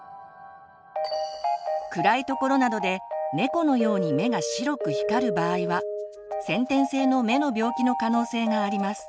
暗いところなどで猫のように目が白く光る場合は先天性の目の病気の可能性があります。